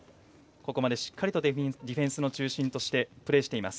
ここまでしっかりディフェンスの中心としてプレーしています。